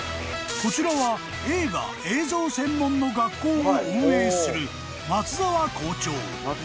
［こちらは映画・映像専門の学校を運営する松澤校長］